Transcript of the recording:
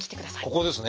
ここですね。